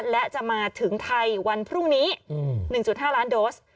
และจะมาถึงไทยวันพรุ่งนี้๑๕ล้านโดส